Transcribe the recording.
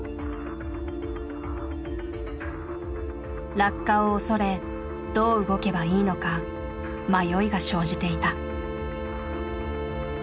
落下を恐れどう動けばいいのか迷いが生じていた。